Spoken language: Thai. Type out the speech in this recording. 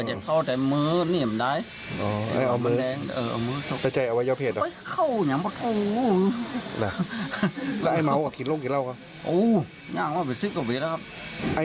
โอ้ก่อนนี้มันก็เล่นไม่ได้